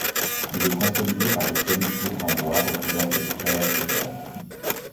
Il est consolidé par de solides poutres en bois recouvertes de terre et d'herbes.